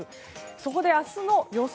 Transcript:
そこで明日の予想